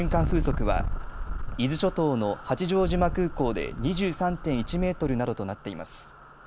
風速は伊豆諸島の八丈島空港で２３．１メートルなどとなっています。